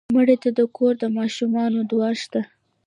مړه ته د کور د ماشومانو دعا شته